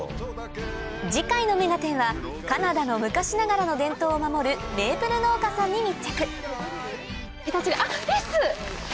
次回の『目がテン！』はカナダの昔ながらの伝統を守るメープル農家さんに密着あっリス！